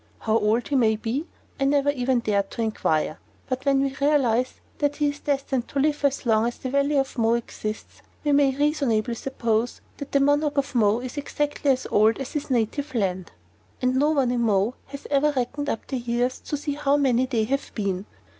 How old he may be I have never dared to inquire; but when we realize that he is destined to live as long as the Valley of Mo exists we may reasonably suppose the Monarch of Mo is exactly as old as his native land. And no one in Mo has ever reckoned up the years to see how many they have been.